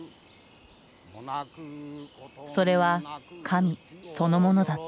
それは神そのものだった。